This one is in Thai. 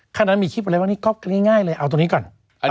แค่นั้นมีคลิปอะไรบ้างนี่ก็ง่ายเลยเอาตรงนี้ก่อน